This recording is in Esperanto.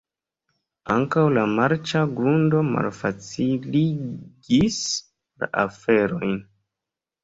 Ankaŭ la marĉa grundo malfaciligis la aferojn.